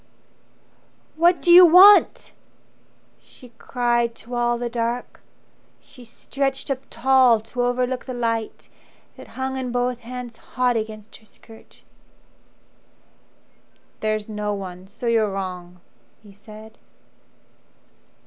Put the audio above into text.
"What do you want?" she cried to all the dark. She stretched up tall to overlook the light That hung in both hands hot against her skirt. "There's no one; so you're wrong," he said.